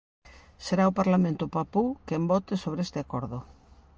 Será o Parlamento papú quen vote sobre este acordo.